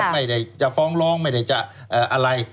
ไม่ได้จะฟ้องร้องไม่ได้จะอะไร